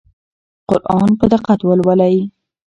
قرآن په دقت ولولئ.